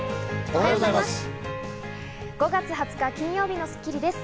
おはようございます。